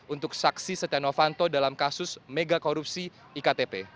untuk saksi setia novanto dalam kasus mega korupsi iktp